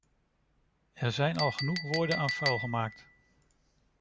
Er zijn al genoeg woorden aan vuil gemaakt.